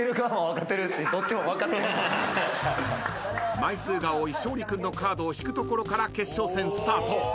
枚数が多い勝利君のカードを引くところから決勝戦スタート。